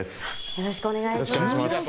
よろしくお願いします。